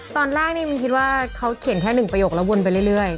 ตอนแรกนี่มินคิดว่าเขาเขียนแค่๑ประโยคแล้ววนไปเรื่อย